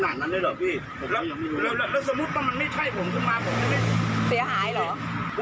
แล้วสมมุติว่ามันไม่ใช่ผมต้องมาก่อน